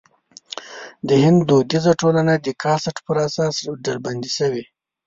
د هند دودیزه ټولنه د کاسټ پر اساس ډلبندي شوې.